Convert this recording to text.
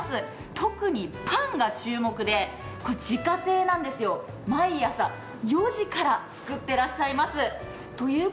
特にパンが注目で、自家製なんですが毎朝、４時から作ってらっしゃいます。